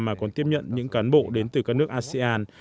mà còn tiếp nhận những cán bộ đến từ các nước asean